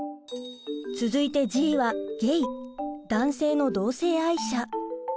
続いて「Ｇ」はゲイ男性の同性愛者。